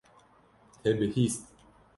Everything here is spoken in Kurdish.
Te bihîst.